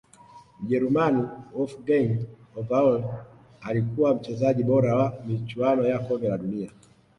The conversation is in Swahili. mjerumani wolfgang overalh alikuwa mchezaji bora wa michuano ya kombe la dunia